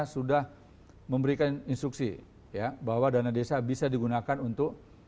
sudah memberikan instruksi bahwa dana desa bisa digunakan untuk